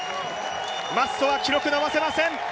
マッソは記録伸ばせません。